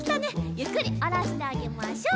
ゆっくりおろしてあげましょう。